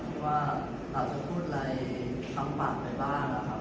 ที่ว่าเราจะพูดอะไรทำบ้างไปบ้างนะครับ